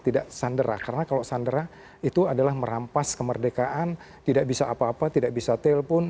tidak sanderah karena kalau sandera itu adalah merampas kemerdekaan tidak bisa apa apa tidak bisa telepon